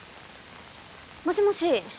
もしもし？